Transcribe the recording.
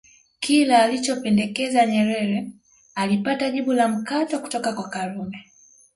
Kila alichopendekeza Nyerere alipata jibu la mkato kutoka kwa Karume